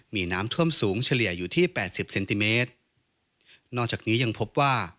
มีน้ำท่วมสูงเฉลี่ยอยู่ที่แปดสิบเซนติเมตรนอกจากนี้ยังพบว่า